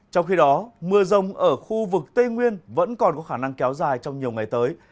trong khi đó mưa rông ở khu vực tây nguyên vẫn còn có khả năng kéo dài trong nhiều ngày tới